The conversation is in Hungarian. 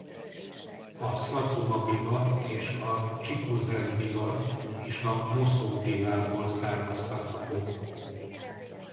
A szacuma-biva és a csikuzen-biva is a mószó-bivából származtatható.